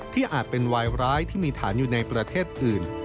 อาจเป็นวายร้ายที่มีฐานอยู่ในประเทศอื่น